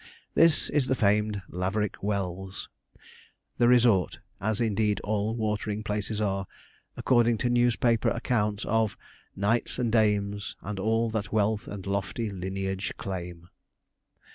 This is the famed Laverick Wells, the resort, as indeed all watering places are, according to newspaper accounts, of 'Knights and dames, And all that wealth and lofty lineage claim.'